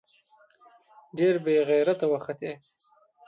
ډېر بې غېرته وختې.